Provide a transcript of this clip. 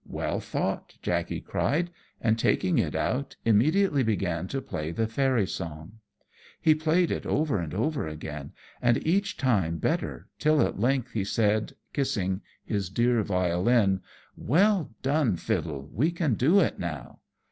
"Well thought," Jackey cried; and taking it out, immediately began to play the fairy song. He played it over and over again, and each time better, till at length he said, kissing his dear violin, "Well done, Fiddle, we can do it now."